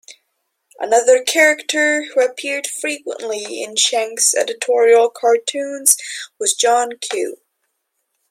Another character who appeared frequently in Shanks' editorial cartoons was John Q.